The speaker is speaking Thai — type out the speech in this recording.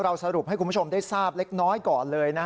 สรุปให้คุณผู้ชมได้ทราบเล็กน้อยก่อนเลย